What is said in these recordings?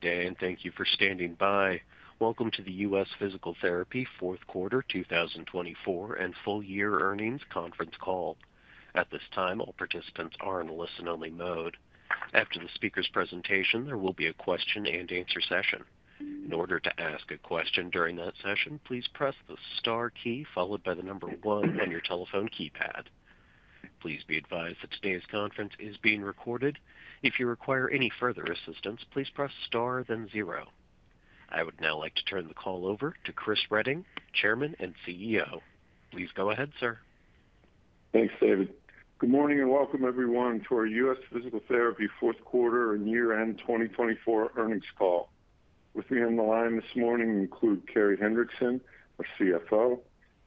Today, and thank you for standing by. Welcome to the U.S. Physical Therapy Q4 2024 and Full Year Earnings Conference Call. At this time, all participants are in listen-only mode. After the speaker's presentation, there will be a question-and-answer session. In order to ask a question during that session, please press the star key followed by the number one on your telephone keypad. Please be advised that today's conference is being recorded. If you require any further assistance, please press star then zero. I would now like to turn the call over to Chris Reading, Chairman and CEO. Please go ahead, sir. Thanks, David. Good morning and welcome, everyone, to our U.S. Physical Therapy Q4 and year-end 2024 earnings call. With me on the line this morning include Carey Hendrickson, our CFO.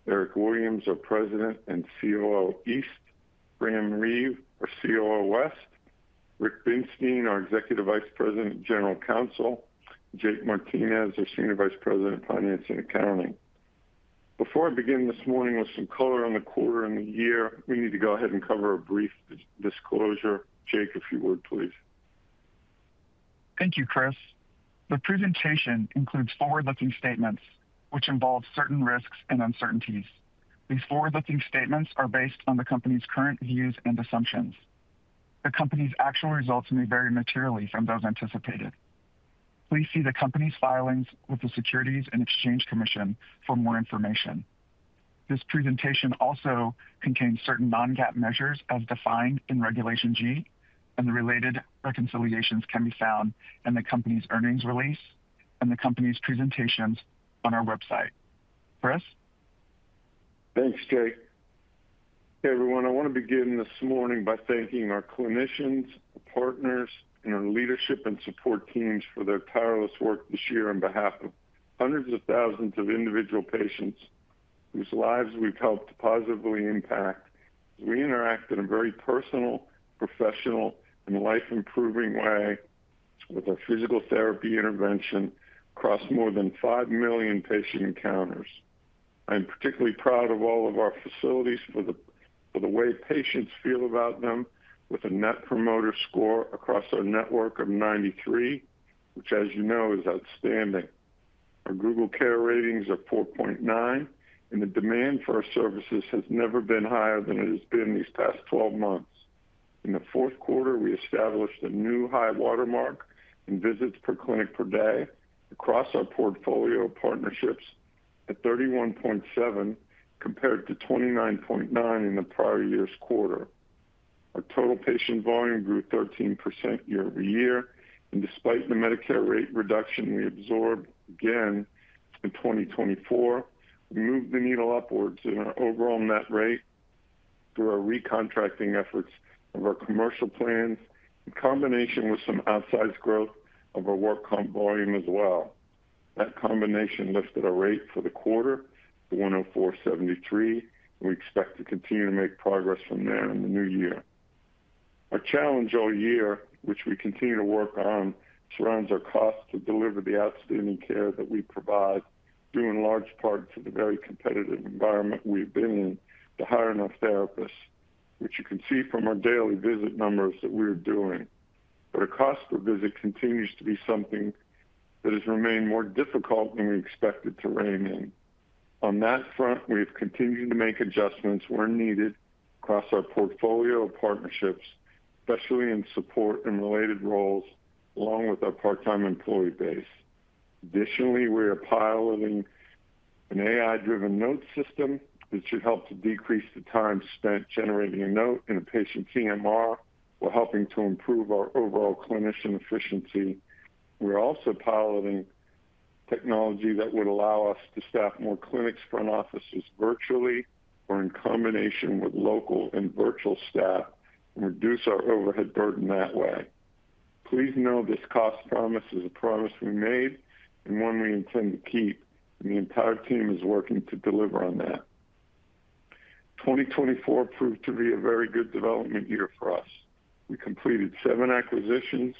Eric Williams, our President and COO East. Graham Reeve, our COO West. Rick Binstein, our Executive Vice President and General Counsel. Jake Martinez, our Senior Vice President, Finance and Accounting. Before I begin this morning with some color on the quarter and the year, we need to go ahead and cover a brief disclosure. Jake, if you would, please. Thank you, Chris. The presentation includes forward-looking statements, which involve certain risks and uncertainties. These forward-looking statements are based on the company's current views and assumptions. The company's actual results may vary materially from those anticipated. Please see the company's filings with the Securities and Exchange Commission for more information. This presentation also contains certain non-GAAP measures as defined in Regulation G, and the related reconciliations can be found in the company's earnings release and the company's presentations on our website. Chris? Thanks, Jake. Hey, everyone. I want to begin this morning by thanking our clinicians, our partners, and our leadership and support teams for their tireless work this year on behalf of hundreds of thousands of individual patients whose lives we've helped positively impact as we interact in a very personal, professional, and life-improving way with our physical therapy intervention across more than five million patient encounters. I'm particularly proud of all of our facilities for the way patients feel about them, with a Net Promoter Score across our network of 93, which, as you know, is outstanding. Our Google ratings are 4.9, and the demand for our services has never been higher than it has been these past 12 months. In the Q4, we established a new high watermark in visits per clinic per day across our portfolio of partnerships at 31.7, compared to 29.9 in the prior year's quarter. Our total patient volume grew 13% year-over-year, and despite the Medicare rate reduction we absorbed again in 2024, we moved the needle upwards in our overall net rate through our recontracting efforts of our commercial plans, in combination with some outsized growth of our work comp volume as well. That combination lifted our rate for the quarter to 104.73, and we expect to continue to make progress from there in the new year. Our challenge all year, which we continue to work on, surrounds our cost to deliver the outstanding care that we provide, due in large part to the very competitive environment we've been in, to hire enough therapists, which you can see from our daily visit numbers that we are doing. But our cost per visit continues to be something that has remained more difficult than we expected to rein in. On that front, we have continued to make adjustments where needed across our portfolio of partnerships, especially in support and related roles, along with our part-time employee base. Additionally, we are piloting an AI-driven note system that should help to decrease the time spent generating a note in a patient's EMR while helping to improve our overall clinician efficiency. We're also piloting technology that would allow us to staff more clinics front offices virtually or in combination with local and virtual staff and reduce our overhead burden that way. Please know this cost promise is a promise we made and one we intend to keep, and the entire team is working to deliver on that. 2024 proved to be a very good development year for us. We completed seven acquisitions,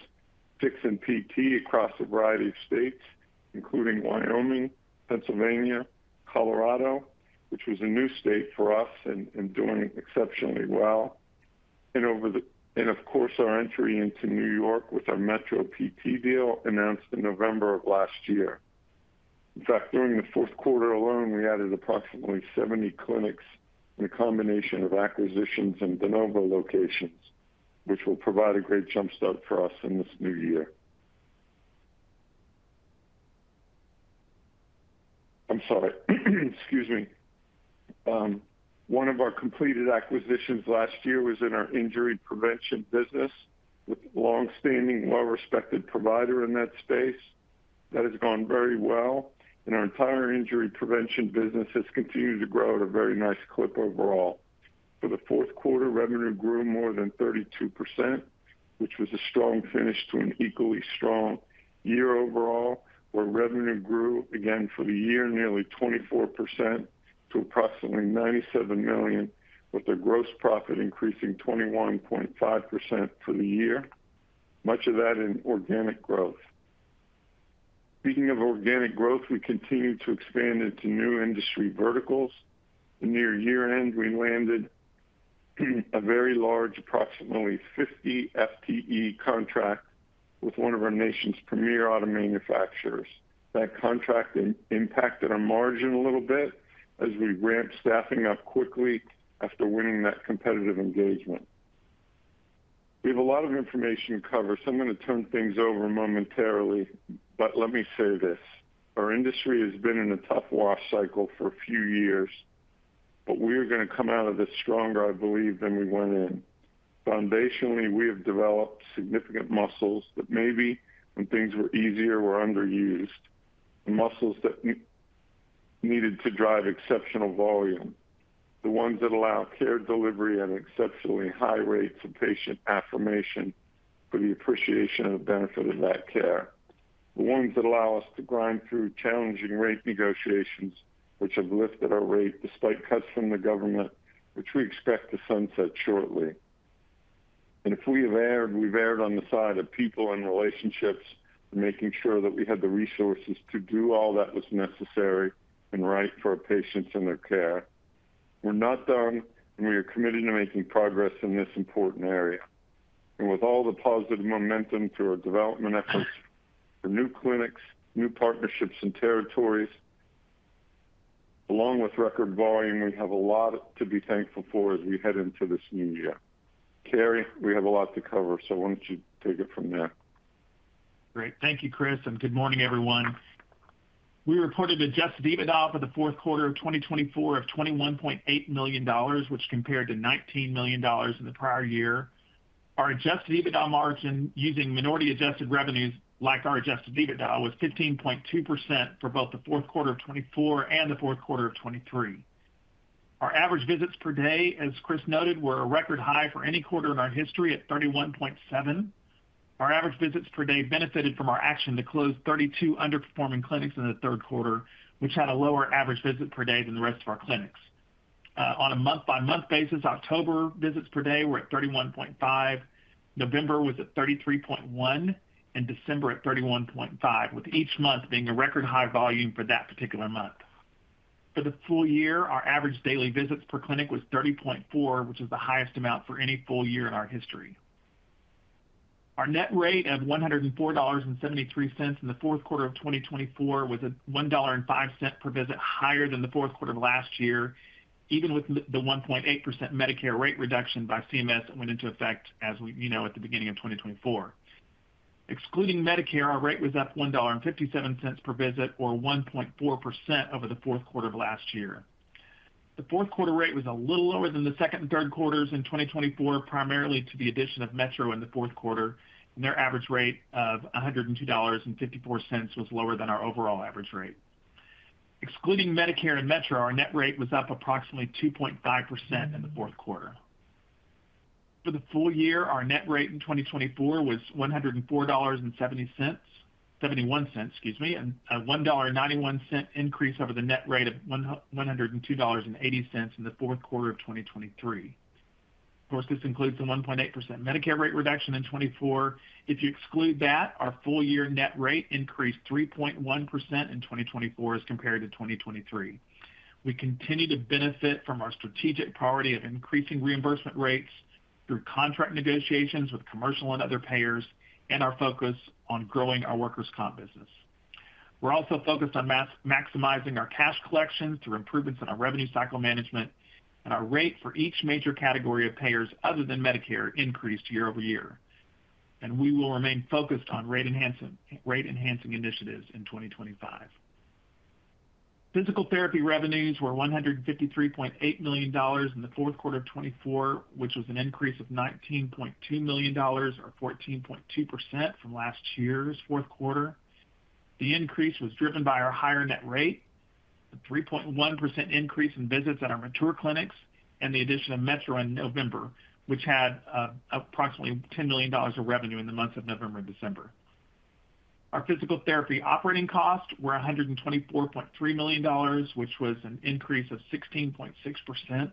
six in PT across a variety of states, including Wyoming, Pennsylvania, Colorado, which was a new state for us and doing exceptionally well, and, of course, our entry into New York with our Metro PT deal announced in November of last year. In fact, during the Q4 alone, we added approximately 70 clinics in a combination of acquisitions and de novo locations, which will provide a great jumpstart for us in this new year. I'm sorry. Excuse me. One of our completed acquisitions last year was in our injury prevention business with a longstanding, well-respected provider in that space. That has gone very well, and our entire injury prevention business has continued to grow at a very nice clip overall. For the Q4, revenue grew more than 32%, which was a strong finish to an equally strong year overall, where revenue grew again for the year nearly 24% to approximately $97 million, with our gross profit increasing 21.5% for the year, much of that in organic growth. Speaking of organic growth, we continue to expand into new industry verticals. Near year-end, we landed a very large, approximately 50 FTE contract with one of our nation's premier auto manufacturers. That contract impacted our margin a little bit as we ramped staffing up quickly after winning that competitive engagement. We have a lot of information to cover, so I'm going to turn things over momentarily, but let me say this: our industry has been in a tough wash cycle for a few years, but we are going to come out of this stronger, I believe, than we went in. Foundationally, we have developed significant muscles that maybe, when things were easier, were underused, the muscles that needed to drive exceptional volume, the ones that allow care delivery at exceptionally high rates of patient affirmation for the appreciation and benefit of that care, the ones that allow us to grind through challenging rate negotiations, which have lifted our rate despite cuts from the government, which we expect to sunset shortly. And if we have erred, we've erred on the side of people and relationships and making sure that we had the resources to do all that was necessary and right for our patients and their care. We're not done, and we are committed to making progress in this important area. And with all the positive momentum through our development efforts, the new clinics, new partnerships, and territories, along with record volume, we have a lot to be thankful for as we head into this new year. Carey, we have a lot to cover, so why don't you take it from there? Great. Thank you, Chris, and good morning, everyone. We reported adjusted EBITDA for the Q4 of 2024 of $21.8 million, which compared to $19 million in the prior year. Our adjusted EBITDA margin using minority-adjusted revenues like our adjusted EBITDA was 15.2% for both the Q4 of 2024 and the Q4 of 2023. Our average visits per day, as Chris noted, were a record high for any quarter in our history at 31.7. Our average visits per day benefited from our action to close 32 underperforming clinics in the Q3, which had a lower average visit per day than the rest of our clinics. On a month-by-month basis, October visits per day were at 31.5, November was at 33.1, and December at 31.5, with each month being a record high volume for that particular month. For the full year, our average daily visits per clinic was 30.4, which is the highest amount for any full year in our history. Our net rate of $104.73 in the Q4 of 2024 was $1.05 per visit higher than the Q4 of last year, even with the 1.8% Medicare rate reduction by CMS that went into effect, as we know, at the beginning of 2024. Excluding Medicare, our rate was up $1.57 per visit, or 1.4% over the Q4 of last year. The Q4 rate was a little lower than the second and Q3s in 2024, primarily due to the addition of Metro in the Q4, and their average rate of $102.54 was lower than our overall average rate. Excluding Medicare and Metro, our net rate was up approximately 2.5% in the Q4. For the full year, our net rate in 2024 was $104.71, excuse me, a $1.91 increase over the net rate of $102.80 in the Q4 of 2023. Of course, this includes the 1.8% Medicare rate reduction in 2024. If you exclude that, our full-year net rate increased 3.1% in 2024 as compared to 2023. We continue to benefit from our strategic priority of increasing reimbursement rates through contract negotiations with commercial and other payers and our focus on growing our workers' comp business. We're also focused on maximizing our cash collections through improvements in our revenue cycle management, and our rate for each major category of payers other than Medicare increased year-over-year. And we will remain focused on rate-enhancing initiatives in 2025. Physical therapy revenues were $153.8 million in the Q4 of 2024, which was an increase of $19.2 million, or 14.2% from last year's Q4. The increase was driven by our higher net rate, a 3.1% increase in visits at our mature clinics, and the addition of Metro in November, which had approximately $10 million of revenue in the months of November and December. Our physical therapy operating costs were $124.3 million, which was an increase of 16.6%.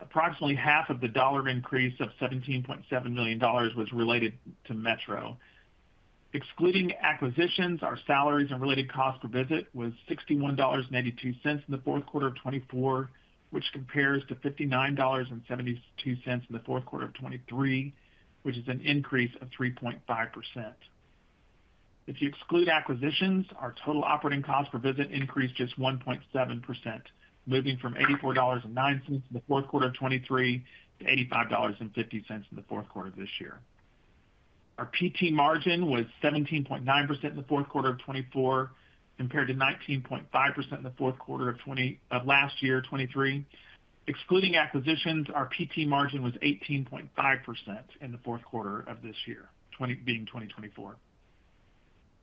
Approximately half of the dollar increase of $17.7 million was related to Metro. Excluding acquisitions, our salaries and related cost per visit was $61.82 in the Q4 of 2024, which compares to $59.72 in the Q4 of 2023, which is an increase of 3.5%. If you exclude acquisitions, our total operating cost per visit increased just 1.7%, moving from $84.09 in the Q4 of 2023 to $85.50 in the Q4 of this year. Our PT margin was 17.9% in the Q4 of 2024, compared to 19.5% in the Q4 of last year, 2023. Excluding acquisitions, our PT margin was 18.5% in the Q4 of this year, being 2024.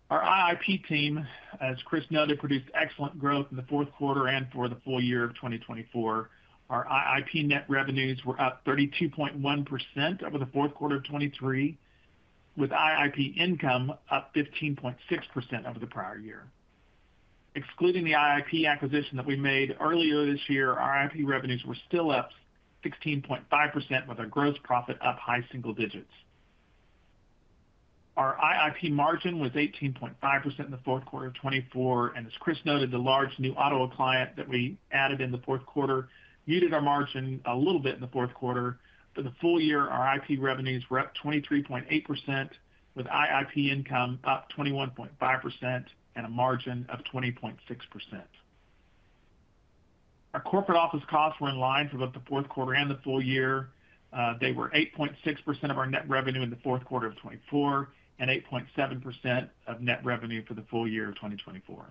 Our IIP team, as Chris noted, produced excellent growth in the Q4 and for the full year of 2024. Our IIP net revenues were up 32.1% over the Q4 of 2023, with IIP income up 15.6% over the prior year. Excluding the IIP acquisition that we made earlier this year, our IIP revenues were still up 16.5%, with our gross profit up high single digits. Our IIP margin was 18.5% in the Q4 of 2024, and as Chris noted, the large new auto client that we added in the Q4 muted our margin a little bit in the Q4. For the full year, our IIP revenues were up 23.8%, with IIP income up 21.5% and a margin of 20.6%. Our corporate office costs were in line for both the Q4 and the full year. They were 8.6% of our net revenue in the Q4 of 2024 and 8.7% of net revenue for the full year of 2024.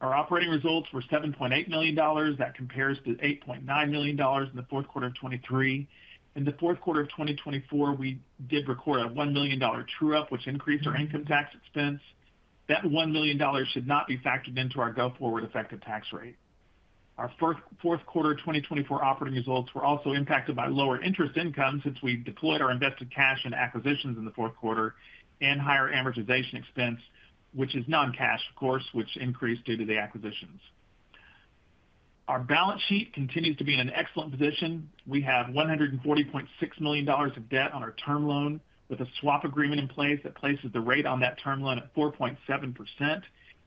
Our operating results were $7.8 million. That compares to $8.9 million in the Q4 of 2023. In the Q4 of 2024, we did record a $1 million true-up, which increased our income tax expense. That $1 million should not be factored into our go-forward effective tax rate. Our Q4 of 2024 operating results were also impacted by lower interest income since we deployed our invested cash and acquisitions in the Q4 and higher amortization expense, which is non-cash, of course, which increased due to the acquisitions. Our balance sheet continues to be in an excellent position. We have $140.6 million of debt on our term loan, with a swap agreement in place that places the rate on that term loan at 4.7%,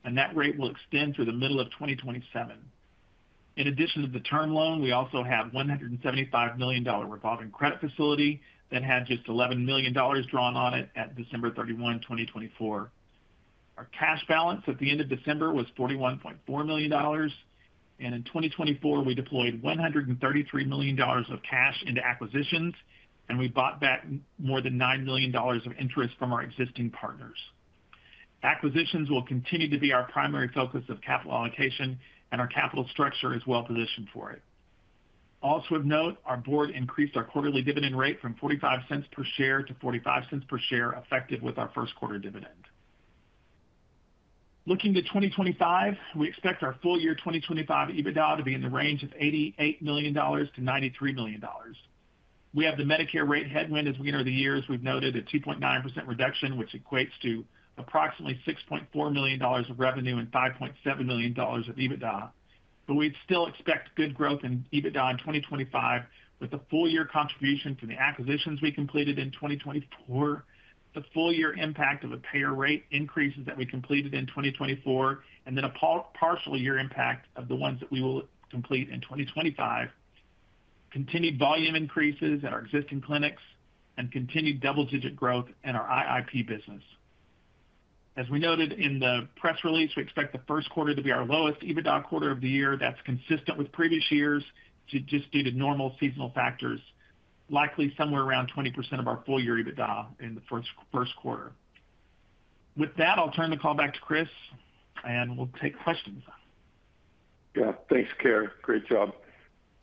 and that rate will extend through the middle of 2027. In addition to the term loan, we also have a $175 million revolving credit facility that had just $11 million drawn on it at December 31, 2024. Our cash balance at the end of December was $41.4 million, and in 2024, we deployed $133 million of cash into acquisitions, and we bought back more than $9 million of interest from our existing partners. Acquisitions will continue to be our primary focus of capital allocation, and our capital structure is well-positioned for it. Also, of note, our board increased our quarterly dividend rate from $0.45 per share to $0.45 per share effective with our Q1 dividend. Looking to 2025, we expect our full year 2025 EBITDA to be in the range of $88 million-$93 million. We have the Medicare rate headwind as we enter the year, as we've noted, a 2.9% reduction, which equates to approximately $6.4 million of revenue and $5.7 million of EBITDA. But we'd still expect good growth in EBITDA in 2025, with the full-year contribution from the acquisitions we completed in 2024, the full-year impact of a payer rate increases that we completed in 2024, and then a partial year impact of the ones that we will complete in 2025, continued volume increases in our existing clinics, and continued double-digit growth in our IIP business. As we noted in the press release, we expect the Q1 to be our lowest EBITDA quarter of the year. That's consistent with previous years, just due to normal seasonal factors, likely somewhere around 20% of our full-year EBITDA in the Q1. With that, I'll turn the call back to Chris, and we'll take questions. Yeah. Thanks, Carey. Great job.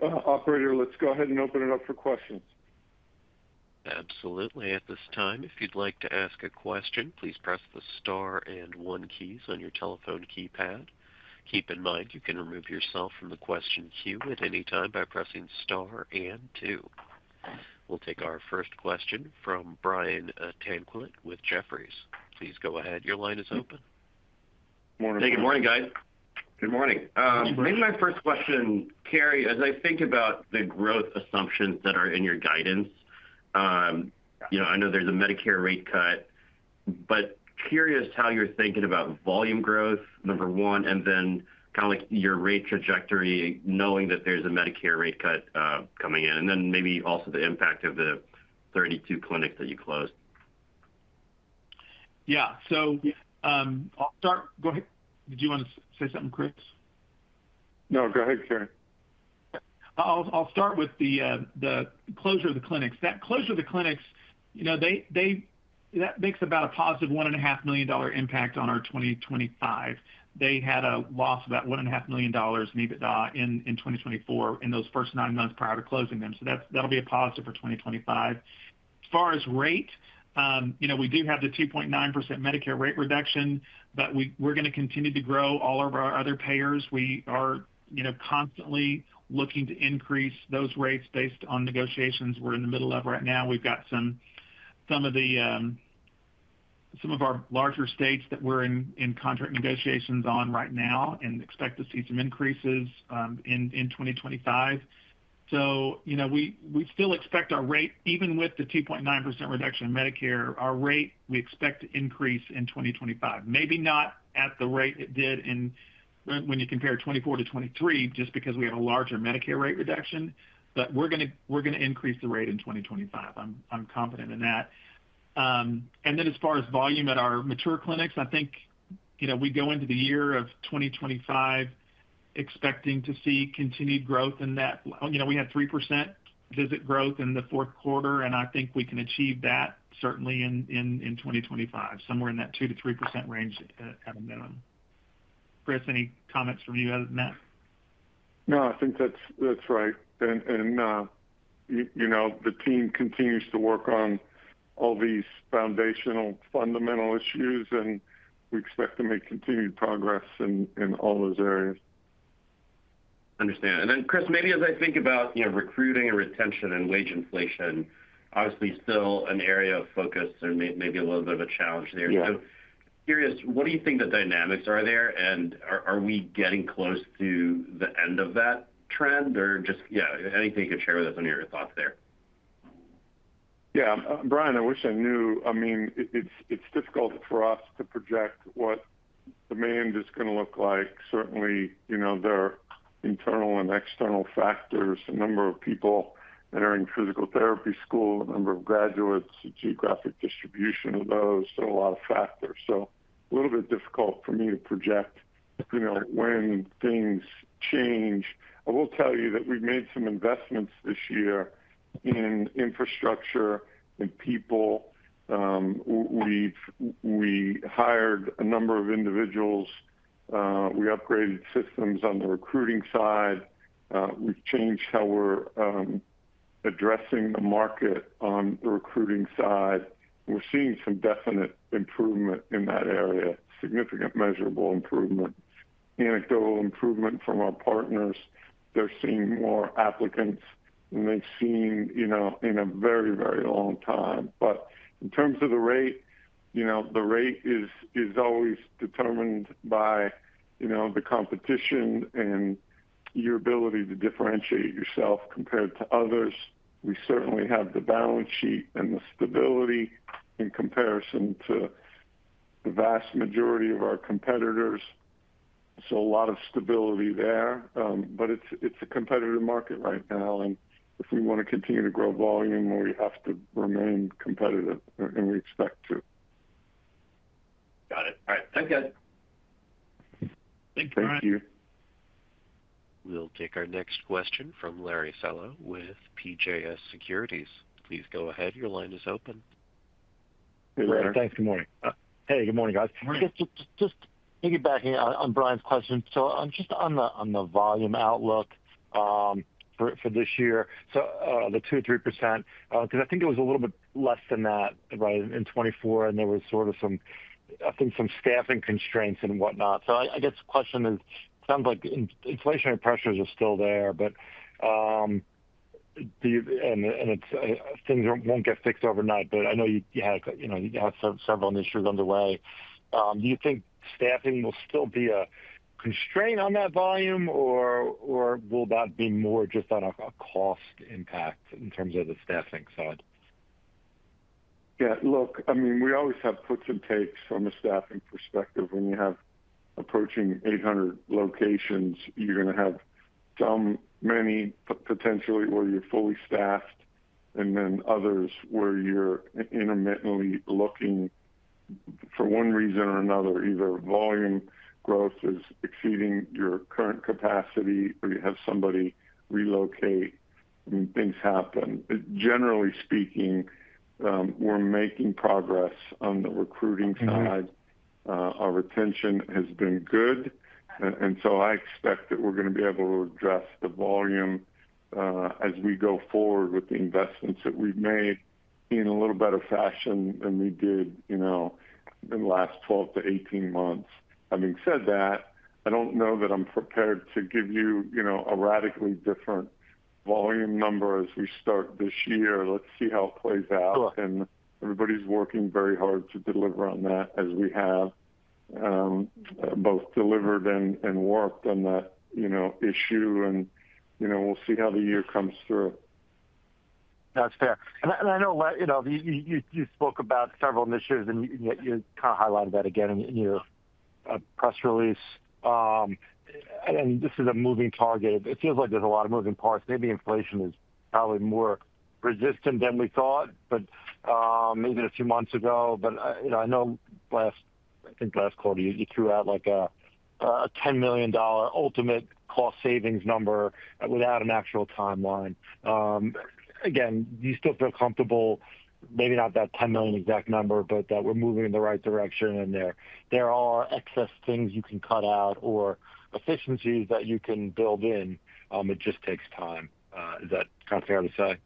Operator, let's go ahead and open it up for questions. Absolutely. At this time, if you'd like to ask a question, please press the star and one keys on your telephone keypad. Keep in mind you can remove yourself from the question queue at any time by pressing star and two. We'll take our first question from Brian Tanquilut with Jefferies. Please go ahead. Your line is open. Morning. Hey, good morning, guys. Good morning. Maybe my first question, Carey, as I think about the growth assumptions that are in your guidance, I know there's a Medicare rate cut, but curious how you're thinking about volume growth, number one, and then kind of like your rate trajectory, knowing that there's a Medicare rate cut coming in, and then maybe also the impact of the 32 clinics that you closed. Yeah. So I'll start. Go ahead. Did you want to say something, Chris? No, go ahead, Carey. I'll start with the closure of the clinics. That closure of the clinics, that makes about a positive $1.5 million impact on our 2025. They had a loss of about $1.5 million in EBITDA in 2024 in those first nine months prior to closing them. So that'll be a positive for 2025. As far as rate, we do have the 2.9% Medicare rate reduction, but we're going to continue to grow all of our other payers. We are constantly looking to increase those rates based on negotiations we're in the middle of right now. We've got some of our larger states that we're in contract negotiations on right now and expect to see some increases in 2025. So we still expect our rate, even with the 2.9% reduction in Medicare, our rate, we expect to increase in 2025. Maybe not at the rate it did when you compare 2024 to 2023, just because we have a larger Medicare rate reduction, but we're going to increase the rate in 2025. I'm confident in that. And then as far as volume at our mature clinics, I think we go into the year of 2025 expecting to see continued growth in that. We had 3% visit growth in the Q4, and I think we can achieve that certainly in 2025, somewhere in that 2%-3% range at a minimum. Chris, any comments from you other than that? No, I think that's right, and the team continues to work on all these foundational fundamental issues, and we expect to make continued progress in all those areas. Understand. And then, Chris, maybe as I think about recruiting and retention and wage inflation, obviously still an area of focus and maybe a little bit of a challenge there. So curious, what do you think the dynamics are there, and are we getting close to the end of that trend, or just, yeah, anything you could share with us on your thoughts there? Yeah. Brian, I wish I knew. I mean, it's difficult for us to project what demand is going to look like. Certainly, there are internal and external factors, a number of people entering physical therapy school, a number of graduates, the geographic distribution of those, so a lot of factors. So a little bit difficult for me to project when things change. I will tell you that we've made some investments this year in infrastructure and people. We hired a number of individuals. We upgraded systems on the recruiting side. We've changed how we're addressing the market on the recruiting side. We're seeing some definite improvement in that area, significant measurable improvement, anecdotal improvement from our partners. They're seeing more applicants than they've seen in a very, very long time. But in terms of the rate, the rate is always determined by the competition and your ability to differentiate yourself compared to others. We certainly have the balance sheet and the stability in comparison to the vast majority of our competitors. So a lot of stability there. But it's a competitive market right now, and if we want to continue to grow volume, we have to remain competitive, and we expect to. Got it. All right. Thanks, guys. Thank you. We'll take our next question from Larry Solow with CJS Securities. Please go ahead. Your line is open. Hey, Larry. Thanks. Good morning. Hey, good morning, guys. Just piggybacking on Brian's question. So I'm just on the volume outlook for this year, so the 2%-3%, because I think it was a little bit less than that in 2024, and there was sort of some, I think, some staffing constraints and whatnot. So I guess the question is, it sounds like inflationary pressures are still there, and things won't get fixed overnight, but I know you had several initiatives underway. Do you think staffing will still be a constraint on that volume, or will that be more just on a cost impact in terms of the staffing side? Yeah. Look, I mean, we always have puts and takes from a staffing perspective. When you have approaching 800 locations, you're going to have some many potentially where you're fully staffed and then others where you're intermittently looking for one reason or another, either volume growth is exceeding your current capacity or you have somebody relocate and things happen. Generally speaking, we're making progress on the recruiting side. Our retention has been good, and so I expect that we're going to be able to address the volume as we go forward with the investments that we've made in a little better fashion than we did in the last 12 to 18 months. Having said that, I don't know that I'm prepared to give you a radically different volume number as we start this year. Let's see how it plays out. Everybody's working very hard to deliver on that, as we have both delivered and worked on that issue, and we'll see how the year comes through. That's fair. And I know you spoke about several initiatives, and you kind of highlighted that again in your press release. And this is a moving target. It feels like there's a lot of moving parts. Maybe inflation is probably more resistant than we thought maybe a few months ago. But I know last, I think last quarter, you threw out like a $10 million ultimate cost savings number without an actual timeline. Again, do you still feel comfortable? Maybe not that 10 million exact number, but that we're moving in the right direction, and there are excess things you can cut out or efficiencies that you can build in. It just takes time. Is that kind of fair to say?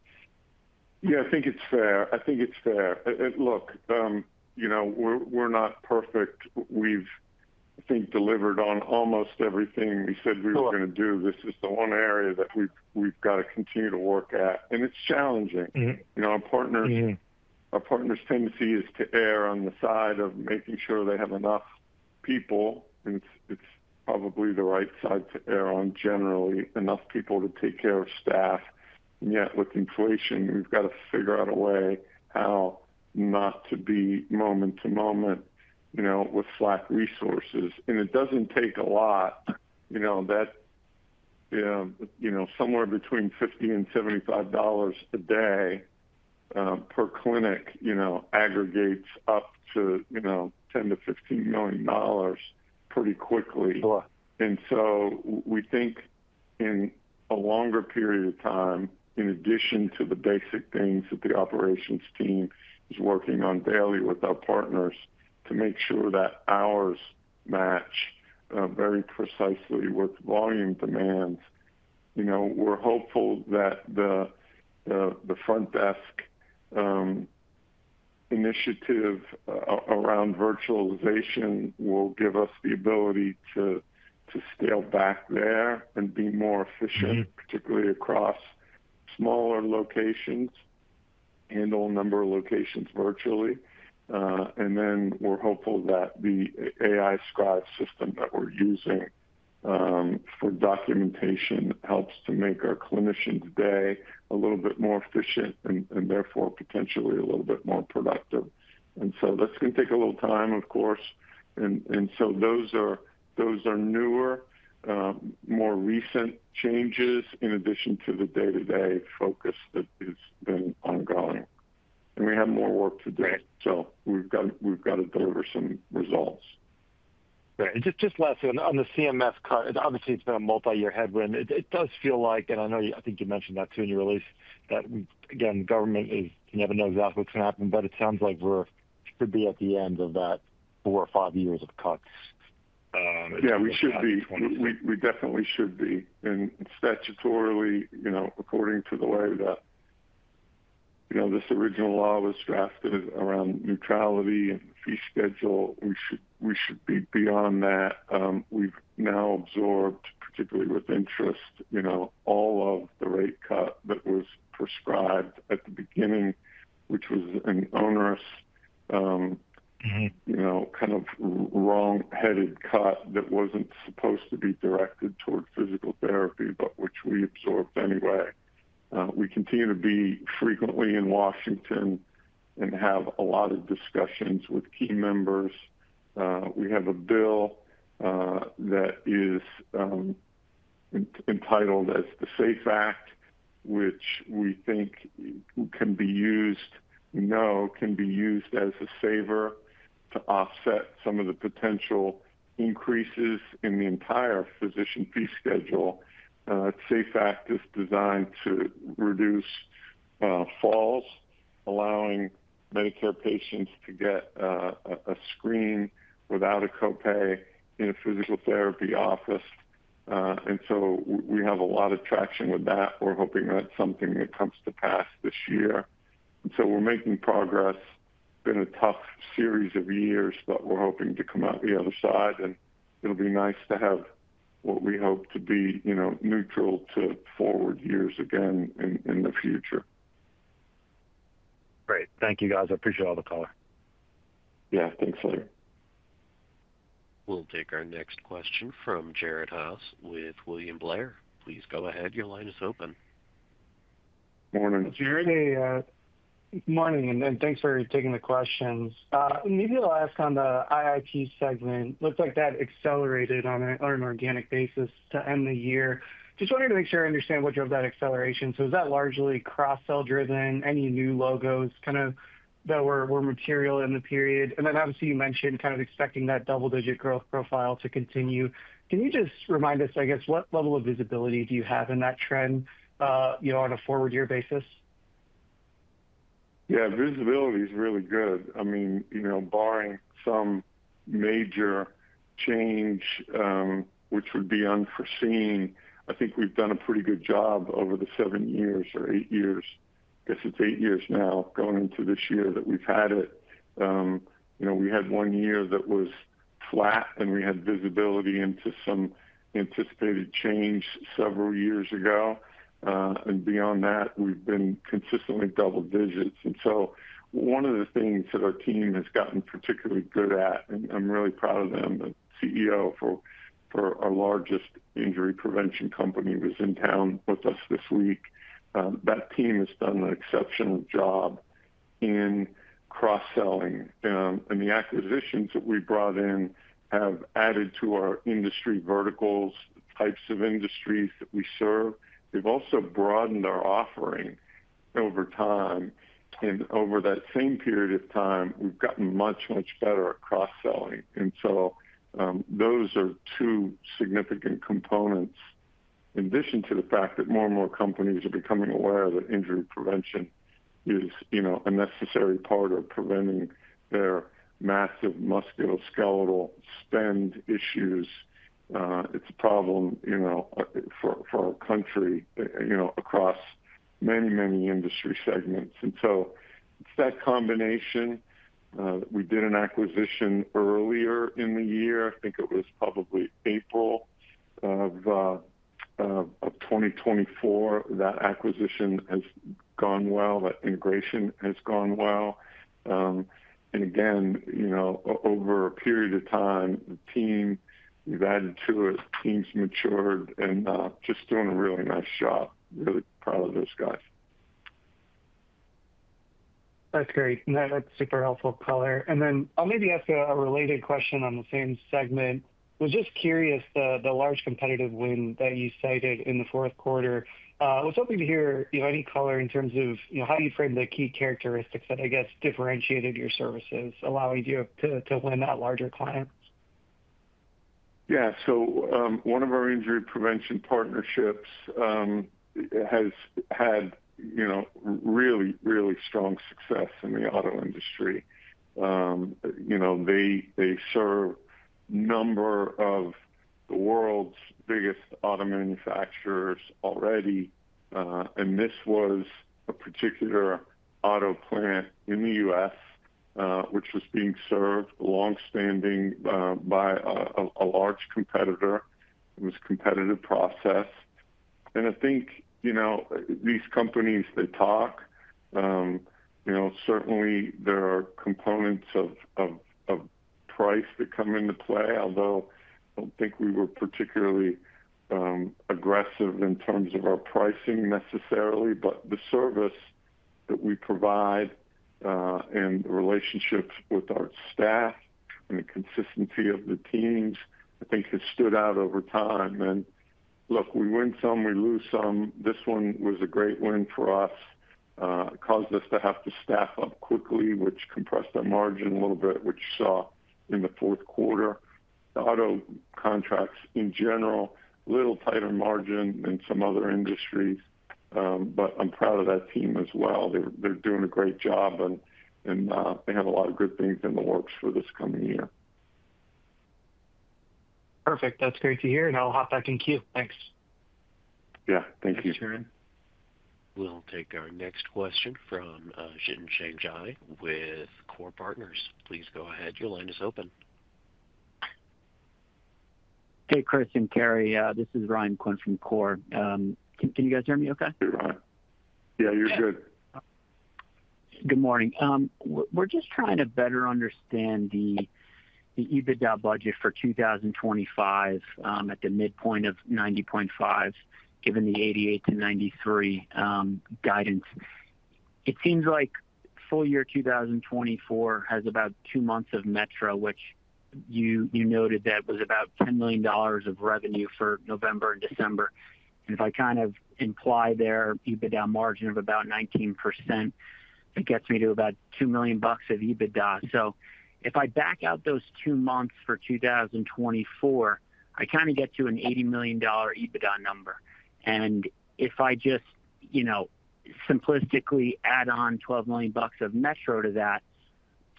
Yeah, I think it's fair. I think it's fair. Look, we're not perfect. We've, I think, delivered on almost everything we said we were going to do. This is the one area that we've got to continue to work at, and it's challenging. Our partners' tendency is to err on the side of making sure they have enough people, and it's probably the right side to err on generally, enough people to take care of staff. And yet, with inflation, we've got to figure out a way how not to be moment to moment with slack resources. And it doesn't take a lot. Somewhere between $50 and $75 a day per clinic aggregates up to $10-$15 million pretty quickly. And so we think in a longer period of time, in addition to the basic things that the operations team is working on daily with our partners to make sure that ours match very precisely with volume demands. We're hopeful that the front desk initiative around virtualization will give us the ability to scale back there and be more efficient, particularly across smaller locations, handle a number of locations virtually. And then we're hopeful that the AI Scribe system that we're using for documentation helps to make our clinicians' day a little bit more efficient and therefore potentially a little bit more productive. And so that's going to take a little time, of course. And so those are newer, more recent changes in addition to the day-to-day focus that has been ongoing. And we have more work to do, so we've got to deliver some results. Right. And just lastly, on the CMS cut, obviously, it's been a multi-year headwind. It does feel like, and I think you mentioned that too in your release, that, again, government is - you never know exactly what's going to happen - but it sounds like we should be at the end of that four or five years of cuts. Yeah, we should be. We definitely should be, and statutorily, according to the way that this original law was drafted around neutrality and fee schedule, we should be beyond that. We've now absorbed, particularly with interest, all of the rate cut that was prescribed at the beginning, which was an onerous kind of wrong-headed cut that wasn't supposed to be directed toward physical therapy, but which we absorbed anyway. We continue to be frequently in Washington and have a lot of discussions with key members. We have a bill that is entitled as the SAFE Act, which we think can be used, we know, can be used as a saver to offset some of the potential increases in the entire Physician Fee Schedule. SAFE Act is designed to reduce falls, allowing Medicare patients to get a screen without a copay in a physical therapy office. And so we have a lot of traction with that. We're hoping that's something that comes to pass this year. And so we're making progress. It's been a tough series of years, but we're hoping to come out the other side, and it'll be nice to have what we hope to be neutral to forward years again in the future. Great. Thank you, guys. I appreciate all the color. Yeah. Thanks, Larry. We'll take our next question from Jared Haas with William Blair. Please go ahead. Your line is open. Morning Jared. Good morning. And thanks for taking the questions. Maybe I'll ask on the IIP segment. Looks like that accelerated on an organic basis to end the year. Just wanted to make sure I understand what drove that acceleration. So is that largely cross-sell driven, any new logos kind of that were material in the period? And then, obviously, you mentioned kind of expecting that double-digit growth profile to continue. Can you just remind us, I guess, what level of visibility do you have in that trend on a four-year basis? Yeah. Visibility is really good. I mean, barring some major change, which would be unforeseen, I think we've done a pretty good job over the seven years or eight years, I guess it's eight years now going into this year that we've had it. We had one year that was flat, and we had visibility into some anticipated change several years ago. And beyond that, we've been consistently double-digits. And so one of the things that our team has gotten particularly good at, and I'm really proud of them, the CEO for our largest injury prevention company was in town with us this week. That team has done an exceptional job in cross-selling. And the acquisitions that we brought in have added to our industry verticals, the types of industries that we serve. They've also broadened our offering over time. And over that same period of time, we've gotten much, much better at cross-selling. And so those are two significant components. In addition to the fact that more and more companies are becoming aware that injury prevention is a necessary part of preventing their massive musculoskeletal spend issues, it's a problem for our country across many, many industry segments. And so it's that combination. We did an acquisition earlier in the year. I think it was probably April of 2024. That acquisition has gone well. That integration has gone well. And again, over a period of time, the team we've added to it, the team's matured, and just doing a really nice job. Really proud of those guys. That's great. That's super helpful. And then I'll maybe ask a related question on the same segment. I was just curious, the large competitive win that you cited in the Q4, I was hoping to hear any color in terms of how you framed the key characteristics that, I guess, differentiated your services, allowing you to win that larger client. Yeah. So one of our injury prevention partnerships has had really, really strong success in the auto industry. They serve a number of the world's biggest auto manufacturers already. And this was a particular auto plant in the U.S., which was being served longstanding by a large competitor. It was a competitive process. And I think these companies, they talk. Certainly, there are components of price that come into play, although I don't think we were particularly aggressive in terms of our pricing necessarily. But the service that we provide and the relationships with our staff and the consistency of the teams, I think, has stood out over time. And look, we win some, we lose some. This one was a great win for us. It caused us to have to staff up quickly, which compressed our margin a little bit, which you saw in the Q4. The auto contracts, in general, a little tighter margin than some other industries. But I'm proud of that team as well. They're doing a great job, and they have a lot of good things in the works for this coming year. Perfect. That's great to hear, and I'll hop back in queue. Thanks. Yeah. Thank you. Thanks, Jared. We'll take our next question from with Corre Partners. Please go ahead. Your line is open. Hey, Chris and Carey. This is Ryan Quinn from Corre Partners. Can you guys hear me okay? Hey, Ryan. Yeah, you're good. Good morning. We're just trying to better understand the EBITDA budget for 2025 at the midpoint of 90.5, given the 88-93 guidance. It seems like full year 2024 has about two months of metro, which you noted that was about $10 million of revenue for November and December. And if I kind of imply their EBITDA margin of about 19%, it gets me to about $2 million of EBITDA. So if I back out those two months for 2024, I kind of get to an $80 million EBITDA number. And if I just simplistically add on $12 million of metro to that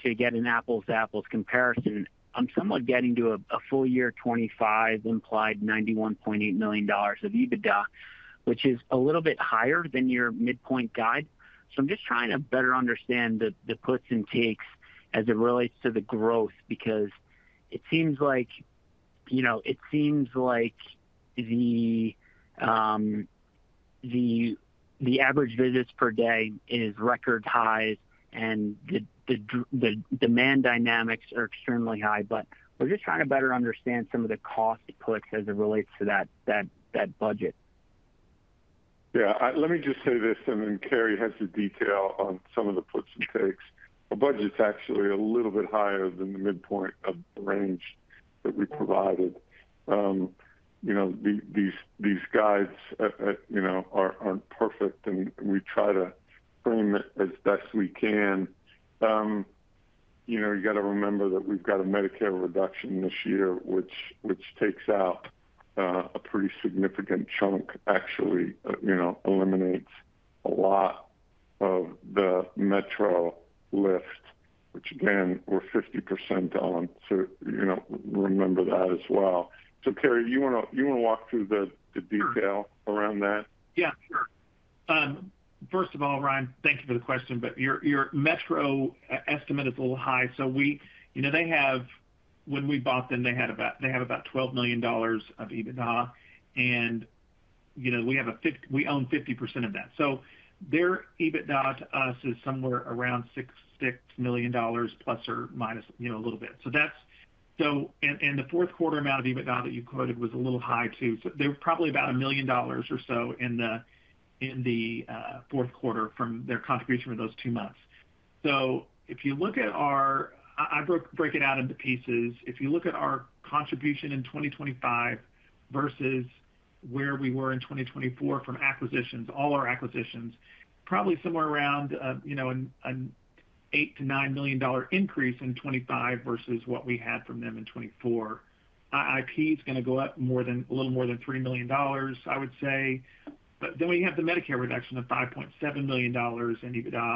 to get an apples-to-apples comparison, I'm somewhat getting to a full year 2025 implied $91.8 million of EBITDA, which is a little bit higher than your midpoint guide. I'm just trying to better understand the puts and takes as it relates to the growth because it seems like the average visits per day is record highs, and the demand dynamics are extremely high. But we're just trying to better understand some of the cost puts as it relates to that budget. Yeah. Let me just say this, and then Carey has the detail on some of the puts and takes. Our budget's actually a little bit higher than the midpoint of the range that we provided. These guides aren't perfect, and we try to frame it as best we can. You got to remember that we've got a Medicare reduction this year, which takes out a pretty significant chunk, actually eliminates a lot of the metro lift, which, again, we're 50% on. So Carey, you want to walk through the detail around that? Yeah. Sure. First of all, Ryan, thank you for the question, but your metro estimate is a little high. So they have, when we bought them, they have about $12 million of EBITDA, and we own 50% of that. So their EBITDA to us is somewhere around $6 million plus or minus a little bit. And the Q4 amount of EBITDA that you quoted was a little high too. So they were probably about a million dollars or so in the Q4 from their contribution for those two months. So if you look at our contribution, I break it out into pieces. If you look at our contribution in 2025 versus where we were in 2024 from acquisitions, all our acquisitions, probably somewhere around an $8-$9 million increase in 2025 versus what we had from them in 2024. IIP is going to go up a little more than $3 million, I would say, but then we have the Medicare reduction of $5.7 million in EBITDA.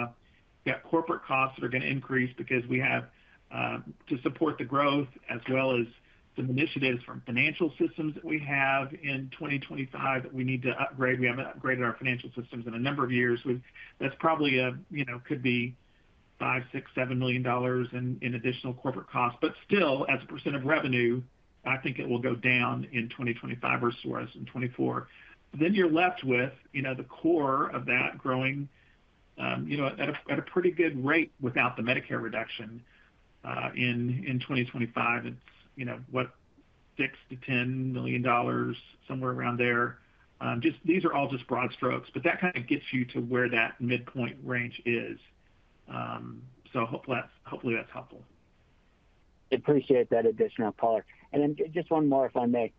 We've got corporate costs that are going to increase because we have to support the growth as well as some initiatives from financial systems that we have in 2025 that we need to upgrade. We haven't upgraded our financial systems in a number of years. That probably could be $5, $6, $7 million in additional corporate costs, but still, as a % of revenue, I think it will go down in 2025 versus where it was in 2024, then you're left with the core of that growing at a pretty good rate without the Medicare reduction. In 2025, it's what, $6-$10 million, somewhere around there. These are all just broad strokes, but that kind of gets you to where that midpoint range is. So hopefully, that's helpful. I appreciate that additional color. And then just one more, if I may.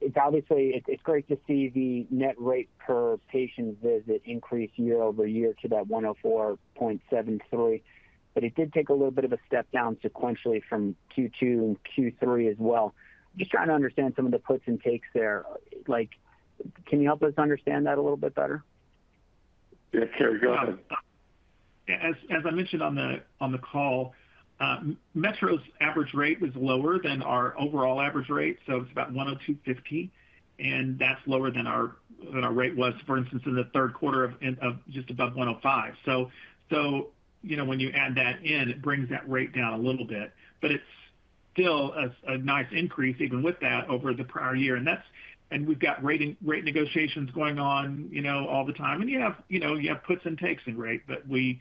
It's great to see the net rate per patient visit increase year-over-year to that 104.73, but it did take a little bit of a step down sequentially from Q2 and Q3 as well. Just trying to understand some of the puts and takes there. Can you help us understand that a little bit better? Yeah. Carey, go ahead. As I mentioned on the call, metro's average rate was lower than our overall average rate. So it's about $102.50, and that's lower than our rate was, for instance, in the Q3 of just above $105. So when you add that in, it brings that rate down a little bit. But it's still a nice increase, even with that, over the prior year. And we've got rate negotiations going on all the time. And you have puts and takes in rate, but we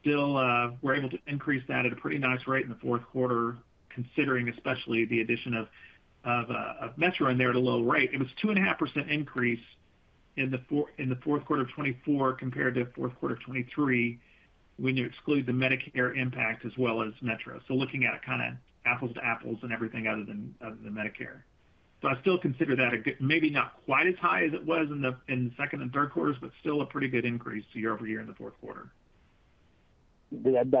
still were able to increase that at a pretty nice rate in the Q4, considering especially the addition of metro in there at a low rate. It was a 2.5% increase in the Q4 of 2024 compared to the Q4 of 2023 when you exclude the Medicare impact as well as metro. So, looking at it kind of apples to apples and everything other than Medicare. So, I still consider that maybe not quite as high as it was in the second and Q3s, but still a pretty good increase year-over-year in the Q4. That's helpful. I appreciate it. And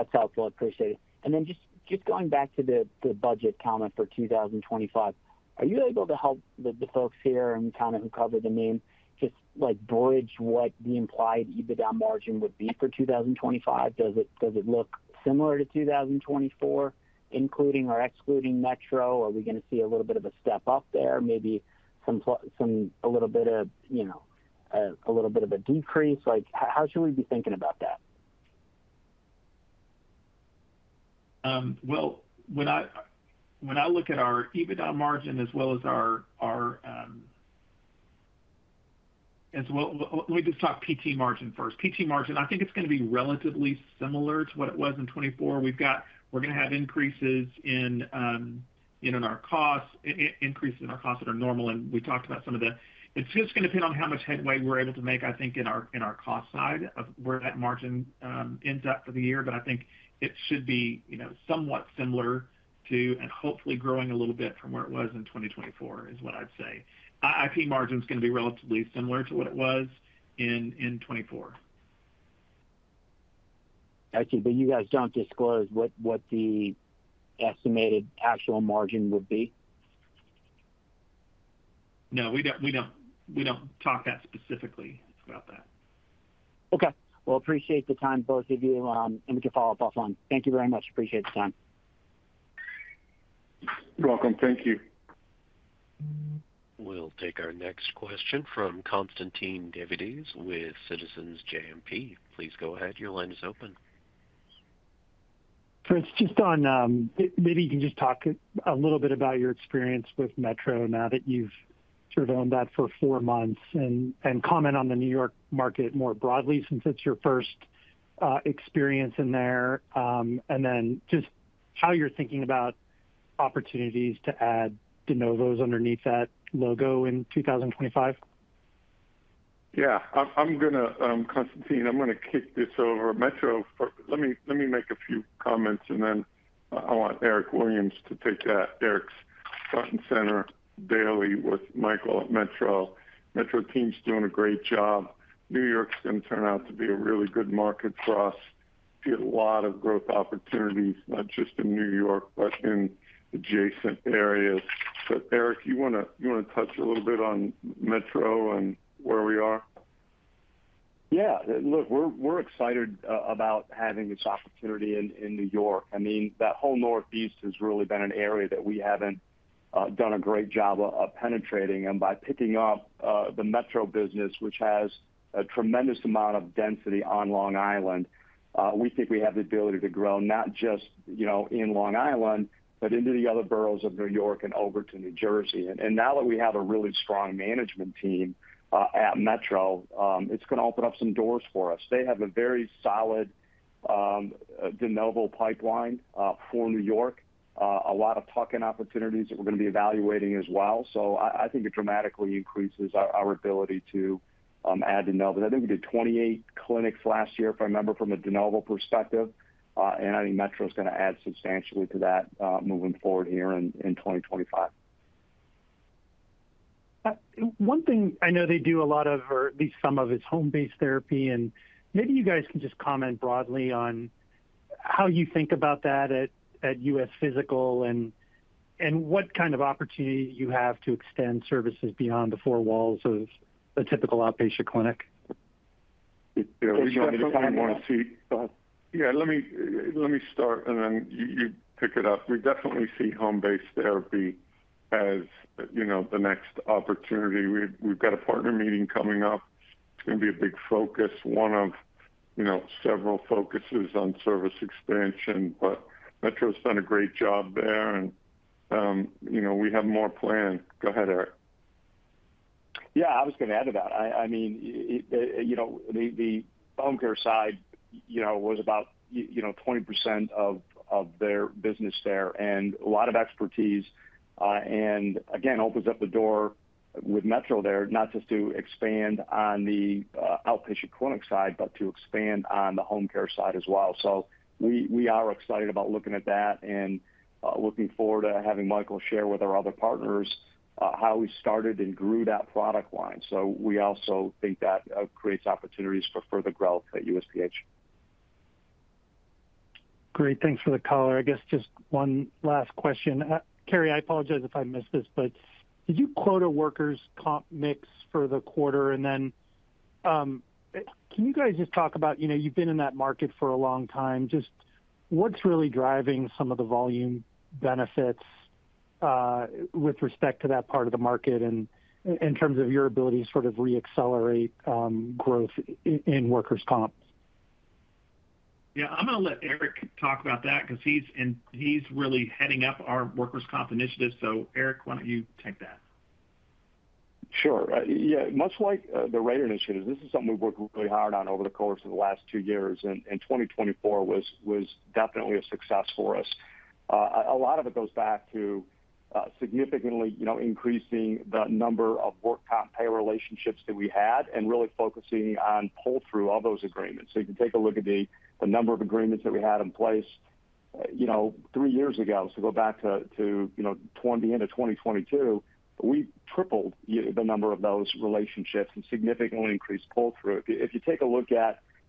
then just going back to the budget comment for 2025, are you able to help the folks here and kind of who cover the name just bridge what the implied EBITDA margin would be for 2025? Does it look similar to 2024, including or excluding metro? Are we going to see a little bit of a step up there, maybe a little bit of a decrease? How should we be thinking about that? When I look at our EBITDA margin as well as our, let me just talk PT margin first. PT margin, I think it's going to be relatively similar to what it was in 2024. We're going to have increases in our costs, increases in our costs that are normal. And we talked about some of the, it's just going to depend on how much headway we're able to make, I think, in our cost side of where that margin ends up for the year. But I think it should be somewhat similar to, and hopefully growing a little bit from where it was in 2024, is what I'd say. IIP margin's going to be relatively similar to what it was in 2024. I see. But you guys don't disclose what the estimated actual margin would be? No, we don't talk that specifically about that. Okay. Well, appreciate the time, both of you. And we can follow up offline. Thank you very much. Appreciate the time. You're welcome. Thank you. We'll take our next question from Constantine Davides with Citizens JMP. Please go ahead. Your line is open. Chris, just on maybe you can just talk a little bit about your experience with metro now that you've sort of owned that for four months and comment on the New York market more broadly since it's your first experience in there. And then just how you're thinking about opportunities to add de novos underneath that logo in 2025? Yeah. I'm going to Constantine, I'm going to kick this over. metro, let me make a few comments, and then I want Eric Williams to take that. Eric's front and center. Daily with Michael at metro. metro team's doing a great job. New York's going to turn out to be a really good market for us. We see a lot of growth opportunities, not just in New York, but in adjacent areas. But Eric, you want to touch a little bit on metro and where we are? Yeah. Look, we're excited about having this opportunity in New York. I mean, that whole Northeast has really been an area that we haven't done a great job of penetrating. And by picking up the metro business, which has a tremendous amount of density on Long Island, we think we have the ability to grow not just in Long Island, but into the other boroughs of New York and over to New Jersey. And now that we have a really strong management team at metro, it's going to open up some doors for us. They have a very solid De Novo Pipeline for New York, a lot of talking opportunities that we're going to be evaluating as well. So I think it dramatically increases our ability to add De Novo. I think we did 28 clinics last year, if I remember, from a De Novo perspective. I think metro's going to add substantially to that moving forward here in 2025. One thing I know they do a lot of, or at least some of, is home-based therapy, and maybe you guys can just comment broadly on how you think about that at US Physical and what kind of opportunity you have to extend services beyond the four walls of a typical outpatient clinic. Yeah. We don't have. Go ahead. Yeah. Let me start, and then you pick it up. We definitely see home-based therapy as the next opportunity. We've got a partner meeting coming up. It's going to be a big focus, one of several focuses on service expansion. But metro's done a great job there. And we have more planned. Go ahead, Eric. Yeah. I was going to add to that. I mean, the home care side was about 20% of their business there. And a lot of expertise. And again, opens up the door with metro there, not just to expand on the outpatient clinic side, but to expand on the home care side as well. So we are excited about looking at that and looking forward to having Michael share with our other partners how we started and grew that product line. So we also think that creates opportunities for further growth at USPH. Great. Thanks for the call. I guess just one last question. Carey, I apologize if I missed this, but did you quote a worker's comp mix for the quarter? And then can you guys just talk about you've been in that market for a long time. Just what's really driving some of the volume benefits with respect to that part of the market and in terms of your ability to sort of re-accelerate growth in worker's comp? Yeah. I'm going to let Eric talk about that because he's really heading up our worker's comp initiative. So Eric, why don't you take that? Sure. Yeah. Much like the Rate initiative, this is something we've worked really hard on over the course of the last two years, and 2024 was definitely a success for us. A lot of it goes back to significantly increasing the number of work comp payer relationships that we had and really focusing on pull-through of those agreements. You can take a look at the number of agreements that we had in place three years ago, so go back to the end of 2022, we tripled the number of those relationships and significantly increased pull-through. If you take a look,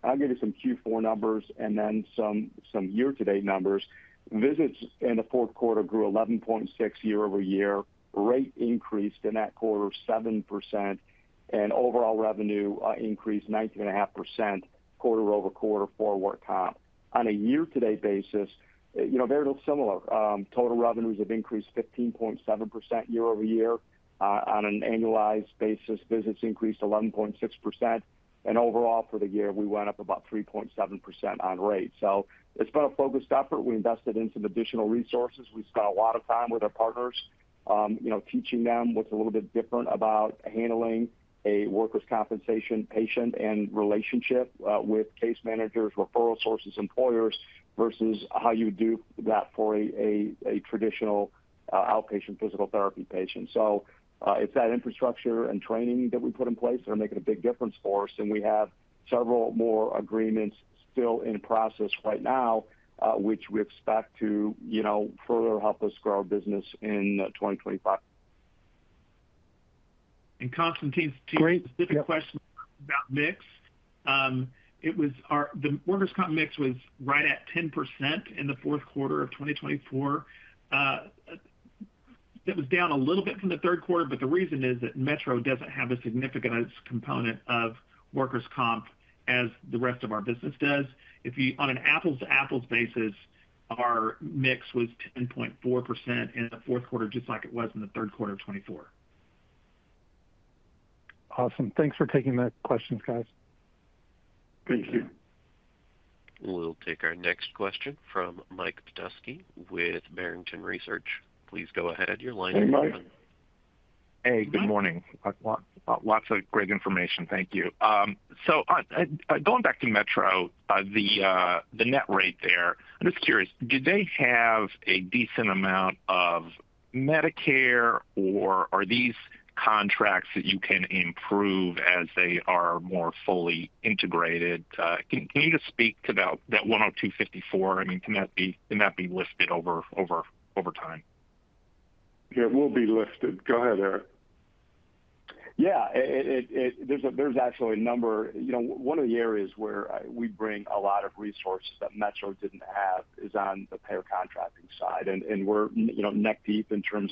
I'll give you some Q4 numbers and then some year-to-date numbers. Visits in the Q4 grew 11.6% year-over-year. Rate increased in that quarter 7%. And overall revenue increased 19.5% quarter-over-quarter for work comp. On a year-to-date basis, very similar. Total revenues have increased 15.7% year-over-year. On an annualized basis, visits increased 11.6%. And overall for the year, we went up about 3.7% on rate. So it's been a focused effort. We invested in some additional resources. We spent a lot of time with our partners teaching them what's a little bit different about handling a worker's compensation patient and relationship with case managers, referral sources, employers versus how you do that for a traditional outpatient physical therapy patient. So it's that infrastructure and training that we put in place that are making a big difference for us. And we have several more agreements still in process right now, which we expect to further help us grow our business in 2025. Constantine has a specific question about mix. The worker's comp mix was right at 10% in the Q4 of 2024. That was down a little bit from the Q3. But the reason is that metro doesn't have as significant a component of worker's comp as the rest of our business does. On an apples-to-apples basis, our mix was 10.4% in the Q4, just like it was in the Q3 of 2024. Awesome. Thanks for taking the questions, guys. Thank you. We'll take our next question from Mike Petusky with Barrington Research. Please go ahead. Your line is open. Hey. Good morning. Lots of great information. Thank you. So going back to metro, the net rate there, I'm just curious, do they have a decent amount of Medicare, or are these contracts that you can improve as they are more fully integrated? Can you just speak about that 102.54? I mean, can that be lifted over time? Yeah. It will be lifted. Go ahead, Eric. Yeah. There's actually a number. One of the areas where we bring a lot of resources that metro didn't have is on the payer contracting side. And we're neck deep in terms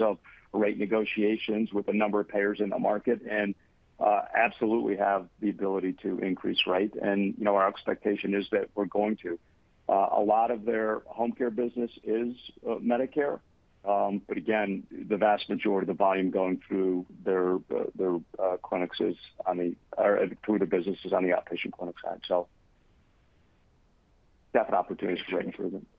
of rate negotiations with a number of payers in the market and absolutely have the ability to increase rate. And our expectation is that we're going to. A lot of their home care business is Medicare. But again, the vast majority of the volume going through their clinics is on the outpatient clinic side. So definite opportunities for rate improvement. All right.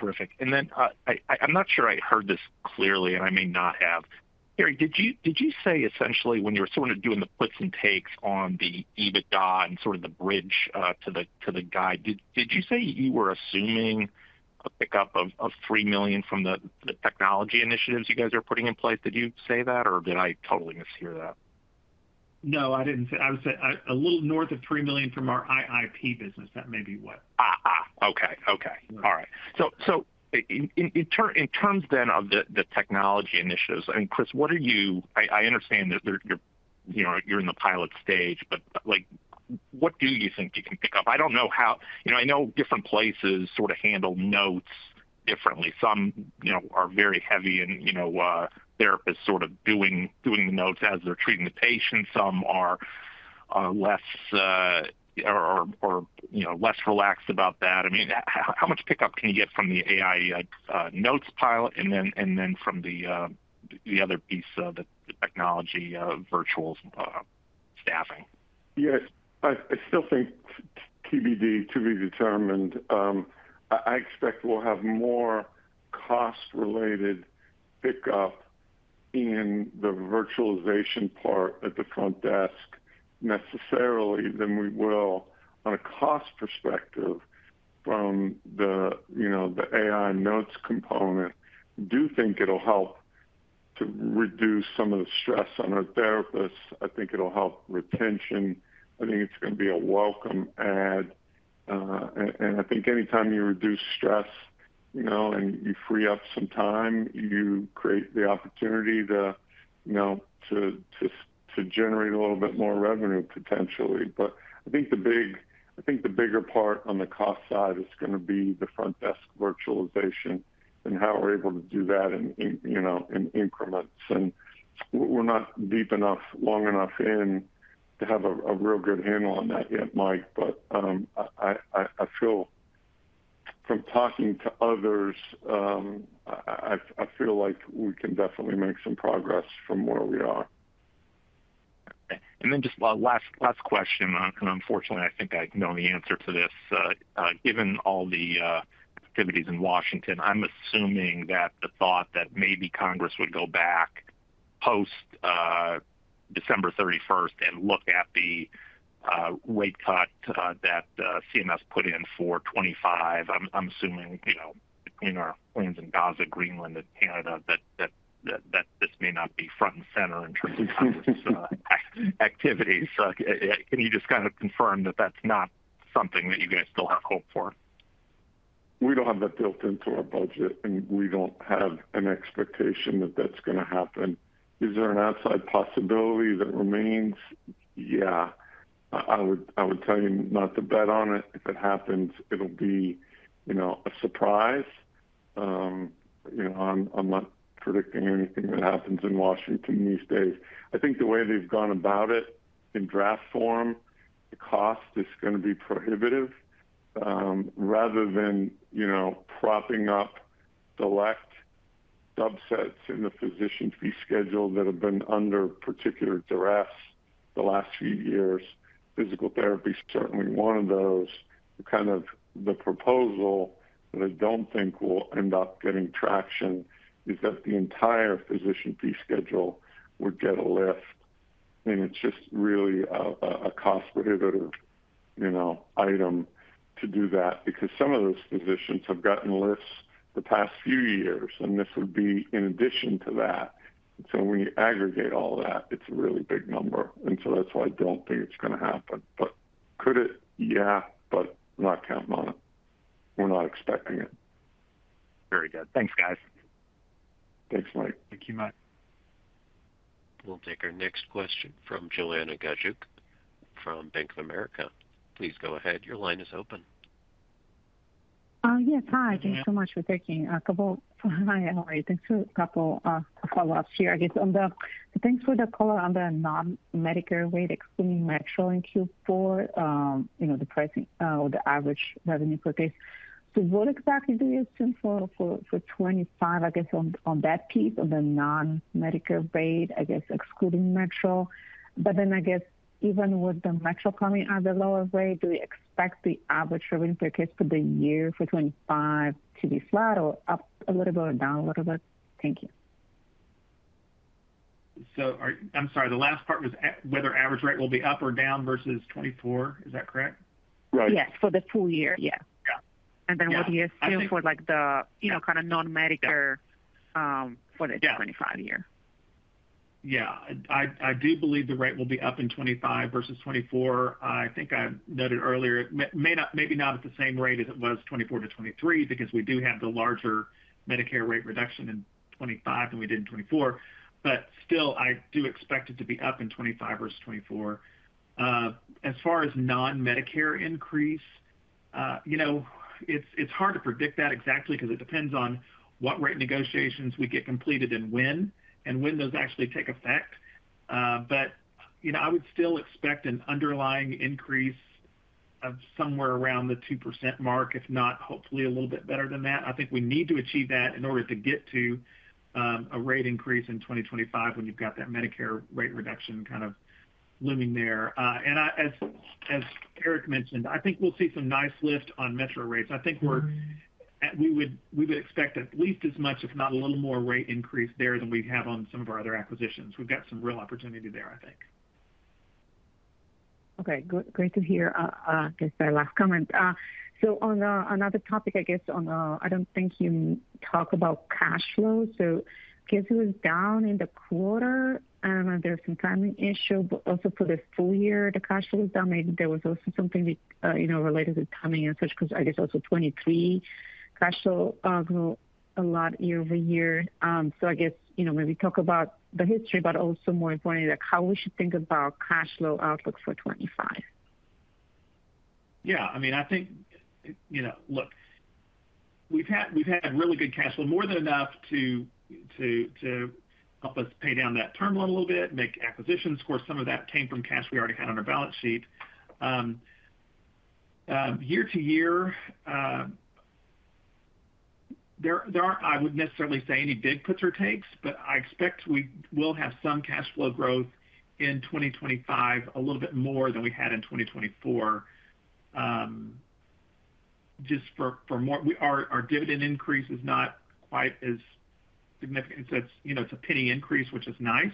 Terrific. And then I'm not sure I heard this clearly, and I may not have. Eric, did you say essentially when you were sort of doing the puts and takes on the EBITDA and sort of the bridge to the guide, did you say you were assuming a pickup of three million from the technology initiatives you guys are putting in place? Did you say that, or did I totally mishear that? No, I didn't say. I was a little north of 3 million from our IIP business. That may be what. Okay. All right. So in terms of the technology initiatives, I mean, Chris, I understand that you're in the pilot stage, but what do you think you can pick up? I don't know, I know different places sort of handle notes differently. Some are very heavy in therapists sort of doing the notes as they're treating the patient. Some are more or less relaxed about that. I mean, how much pickup can you get from the AI notes pilot and then from the other piece, the technology virtual staffing? Yeah. I still think TBD, to be determined. I expect we'll have more cost-related pickup in the virtualization part at the front desk necessarily than we will on a cost perspective from the AI notes component. I do think it'll help to reduce some of the stress on our therapists. I think it'll help retention. I think it's going to be a welcome add. And I think anytime you reduce stress and you free up some time, you create the opportunity to generate a little bit more revenue potentially. But I think the bigger part on the cost side is going to be the front desk virtualization and how we're able to do that in increments. And we're not deep enough, long enough in to have a real good handle on that yet, Mike. But I feel from talking to others, I feel like we can definitely make some progress from where we are. And then just last question, because unfortunately, I think I know the answer to this. Given all the activities in Washington, I'm assuming that the thought that maybe Congress would go back post-December 31st and look at the rate cut that CMS put in for 2025. I'm assuming between our friends in Gaza, Greenland, and Canada, that this may not be front and center in terms of Congress's activities. Can you just kind of confirm that that's not something that you guys still have hope for? We don't have that built into our budget, and we don't have an expectation that that's going to happen. Is there an outside possibility that remains? Yeah. I would tell you not to bet on it. If it happens, it'll be a surprise. I'm not predicting anything that happens in Washington these days. I think the way they've gone about it in draft form, the cost is going to be prohibitive rather than propping up select subsets in the Physician Fee Schedule that have been under particular duress the last few years. Physical therapy is certainly one of those. Kind of the proposal that I don't think will end up getting traction is that the entire Physician Fee Schedule would get a lift, and it's just really a cost-prohibitive item to do that because some of those physicians have gotten lifts the past few years. And this would be in addition to that. And so when you aggregate all that, it's a really big number. And so that's why I don't think it's going to happen. But could it? Yeah, but not counting on it. We're not expecting it. Very good. Thanks, guys. Thanks, Mike. Thank you, Mike. We'll take our next question from Gajuk from Bank of America. Please go ahead. Your line is open. Yes. Hi. Thanks for a couple of follow-ups here. I guess thanks for the call on the non-Medicare rate, excluding metro in Q4, the pricing or the average revenue per case. So what exactly do you assume for 2025, I guess, on that piece, on the non-Medicare rate, I guess, excluding metro? But then I guess even with the metro coming out at a lower rate, do you expect the average revenue per case for the year for 2025 to be flat or up a little bit or down a little bit? Thank you. So I'm sorry. The last part was whether average rate will be up or down versus 2024. Is that correct? Right. Yes. For the full year, yeah. Yeah. And then what do you assume for the kind of non-Medicare for the 2025 year? Yeah. I do believe the rate will be up in 2025 versus 2024. I think I noted earlier, maybe not at the same rate as it was 2024 to 2023 because we do have the larger Medicare rate reduction in 2025 than we did in 2024. But still, I do expect it to be up in 2025 versus 2024. As far as non-Medicare increase, it's hard to predict that exactly because it depends on what rate negotiations we get completed and when and when those actually take effect. But I would still expect an underlying increase of somewhere around the 2% mark, if not hopefully a little bit better than that. I think we need to achieve that in order to get to a rate increase in 2025 when you've got that Medicare rate reduction kind of looming there. As Eric mentioned, I think we'll see some nice lift on metro rates. I think we would expect at least as much, if not a little more rate increase there than we have on some of our other acquisitions. We've got some real opportunity there, I think. Okay. Great to hear this very last comment. So on another topic, I guess, I don't think you talk about cash flow. So I guess it was down in the quarter, and there was some timing issue. But also for the full year, the cash flow was down. Maybe there was also something related to timing and such because I guess also 2023 cash flow grew a lot year-over-year. So I guess maybe talk about the history, but also more importantly, how we should think about cash flow outlook for 2025. Yeah. I mean, I think, look, we've had really good cash flow, more than enough to help us pay down that term a little bit, make acquisitions. Of course, some of that came from cash we already had on our balance sheet. Year to year, there aren't, I wouldn't necessarily say, any big puts or takes, but I expect we will have some cash flow growth in 2025, a little bit more than we had in 2024, just from our dividend increase is not quite as significant. So it's a penny increase, which is nice,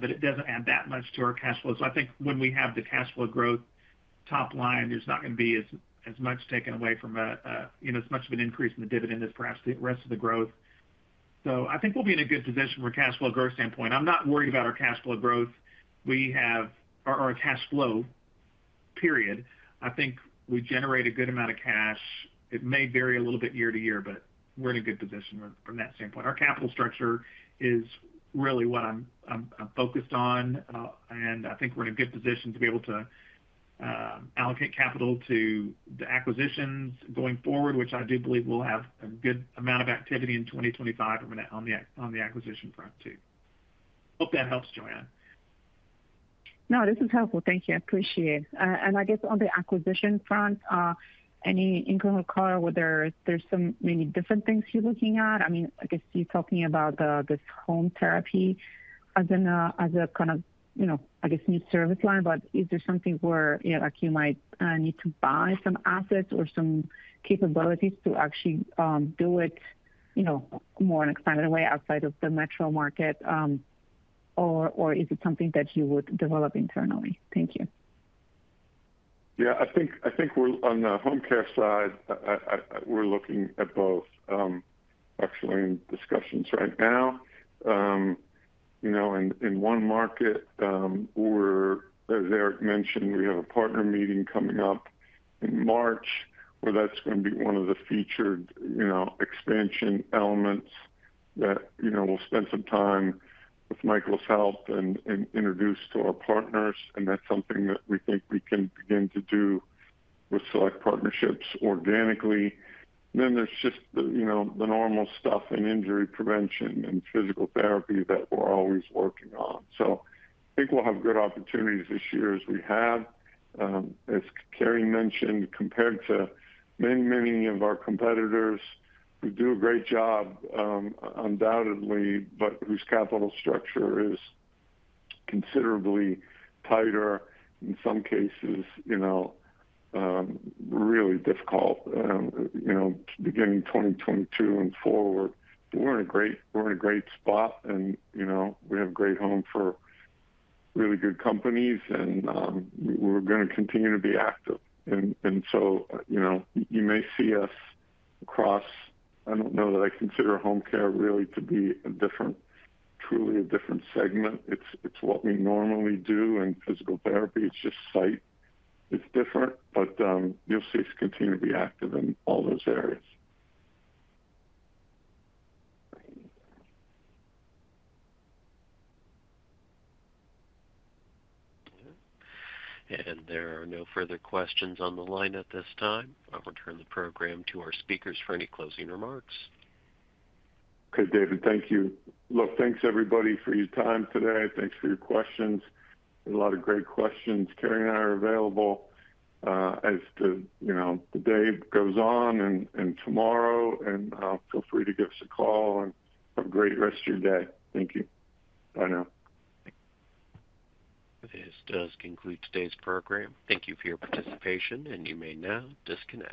but it doesn't add that much to our cash flow. So I think when we have the cash flow growth top line, there's not going to be as much taken away from as much of an increase in the dividend as perhaps the rest of the growth. So I think we'll be in a good position from a cash flow growth standpoint. I'm not worried about our cash flow growth or our cash flow, period. I think we generate a good amount of cash. It may vary a little bit year to year, but we're in a good position from that standpoint. Our capital structure is really what I'm focused on, and I think we're in a good position to be able to allocate capital to the acquisitions going forward, which I do believe we'll have a good amount of activity in 2025 on the acquisition front too. Hope that helps, Joann. No, this is helpful. Thank you. I appreciate it. And I guess on the acquisition front, any incremental color, whether there's so many different things you're looking at? I mean, I guess you're talking about this home therapy as a kind of, I guess, new service line, but is there something where you might need to buy some assets or some capabilities to actually do it more in an expanded way outside of the metro market, or is it something that you would develop internally? Thank you. Yeah. I think on the home care side, we're looking at both, actually, in discussions right now. In one market, as Eric mentioned, we have a partner meeting coming up in March where that's going to be one of the featured expansion elements that we'll spend some time with Michael's help and introduce to our partners, and that's something that we think we can begin to do with select partnerships organically, then there's just the normal stuff and injury prevention and physical therapy that we're always working on, so I think we'll have good opportunities this year as we have. As Carey mentioned, compared to many, many of our competitors, we do a great job, undoubtedly, but whose capital structure is considerably tighter in some cases, really difficult beginning 2022 and forward. But we're in a great spot, and we have a great home for really good companies, and we're going to continue to be active. And so you may see us across. I don't know that I consider home care really to be a different, truly a different segment. It's what we normally do in physical therapy. It's just site. It's different, but you'll see us continue to be active in all those areas. And there are no further questions on the line at this time. I'll return the program to our speakers for any closing remarks. Okay, David, thank you. Look, thanks, everybody, for your time today. Thanks for your questions. There are a lot of great questions. Carey and I are available as the day goes on and tomorrow, and feel free to give us a call and have a great rest of your day. Thank you. Bye now. This does conclude today's program. Thank you for your participation, and you may now disconnect.